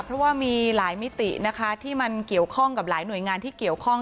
เพราะว่ามีหลายมิตินะคะที่มันเกี่ยวข้องกับหลายหน่วยงานที่เกี่ยวข้อง